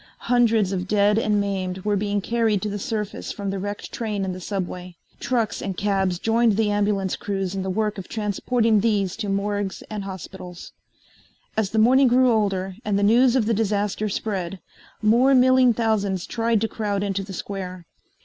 Hundreds of dead and maimed were being carried to the surface from the wrecked train in the subway. Trucks and cabs joined the ambulance crews in the work of transporting these to morgues and hospitals. As the morning grew older and the news of the disaster spread, more milling thousands tried to crowd into the square.